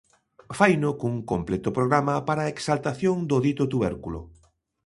Faino cun completo programa para a exaltación do dito tubérculo.